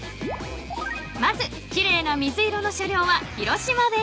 ［まずきれいな水色の車両は］